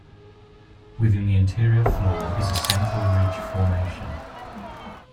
Within the interior floor is a central ridge formation.